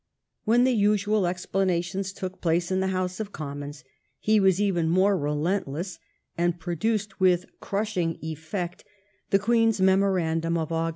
When the usual explanations took place in the House of Commons, he was even more relentless, and produced with crushing effect the Queen's memorandum of August 1860.